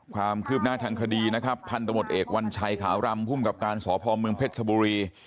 ความคืบหน้าทางคดีนะครับพันธมตร์เหตุวัญชัยขาวรำคุมกับการสอพเผ็ดชบุรี